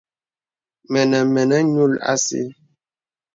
Mə̀nə̀ mə̀nə̀ ǹyùl òsì.